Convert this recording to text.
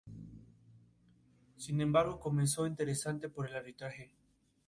Sin embargo, comenzó a interesarse por el arbitraje.